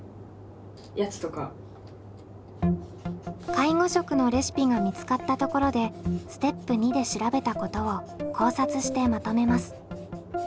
介護食のレシピが見つかったところでステップ２で調べたことを考察してまとめます。